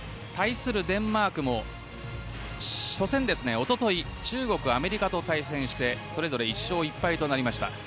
対するデンマークも初戦、おととい中国、アメリカと対戦してそれぞれ１勝１敗となりました。